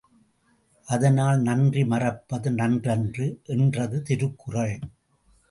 அதனால் நன்றி மறப்பது நன்றன்று என்றது திருக்குறள்.